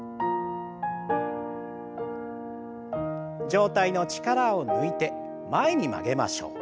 上体の力を抜いて前に曲げましょう。